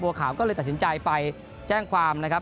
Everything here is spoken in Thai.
ขาวก็เลยตัดสินใจไปแจ้งความนะครับ